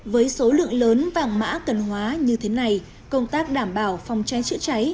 với số lượng lớn vàng mã cần hóa như thế này công tác đảm bảo phòng cháy chữa cháy